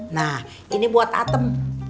nah ini buat atem